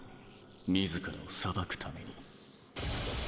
自らを裁くために。